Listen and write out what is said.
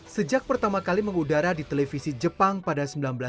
sejak pertama kali mengudara di televisi jepang pada seribu sembilan ratus sembilan puluh